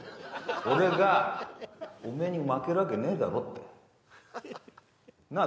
俺がおめえに負けるわけねえだろってなあ？